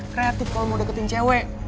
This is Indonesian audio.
kreatif kalau mau deketin cewek